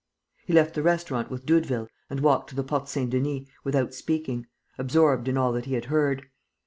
He left the restaurant with Doudeville and walked to the Porte Saint Denis without speaking, absorbed in all that he had heard.